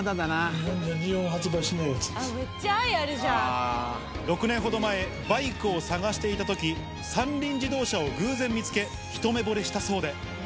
日本で発売していないやつで６年ほど前、バイクを探していたとき、三輪自動車を偶然見つけ、一目ぼれしたそうで。